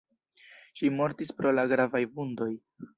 Ŝi mortis pro la gravaj vundoj.